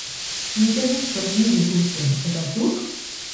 Nik ez dut sorginik ikusten, eta zuk?